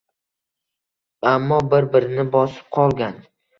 Ammo bir-birini bosib qolgan